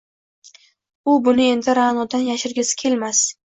U buni endi Ra’nodan yashirgisi kelmas